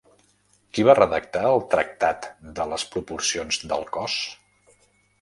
Qui va redactar el Tractat de les proporcions del cos?